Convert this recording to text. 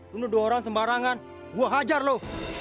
lu nuduh orang sembarangan gua hajar lo